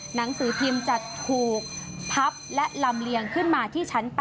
หนังสือพิมพ์จะถูกพับและลำเลียงขึ้นมาที่ชั้น๘